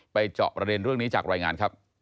เจาะประเด็นเรื่องนี้จากรายงานครับ